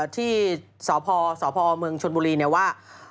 ที่สพเมืองชนบุรีเนี่ยว่า